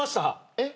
えっ？